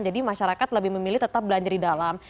jadi masyarakat lebih memilih tetap belanja di dalam